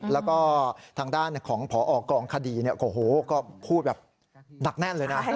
แล้วก็ทางด้านของพอกองคดีโอ้โหก็พูดแบบหนักแน่นเลยนะ